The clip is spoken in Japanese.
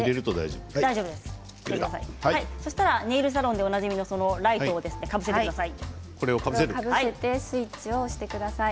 ネイルサロンでおなじみのスイッチを押してください。